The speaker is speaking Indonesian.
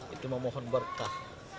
itu memohon berkah